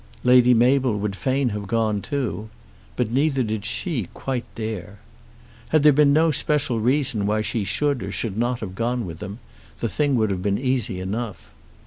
Lady Mabel would fain have gone too; but neither did she quite dare. Had there been no special reason why she should or should not have gone with them, the thing would have been easy enough.